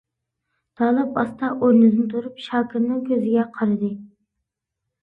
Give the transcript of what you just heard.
تالىپ ئاستا ئورنىدىن تۇرۇپ شاكىرنىڭ كۆزىگە قارىدى.